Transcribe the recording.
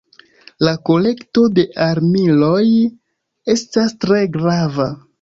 La kolekto de armiloj estas tre grava.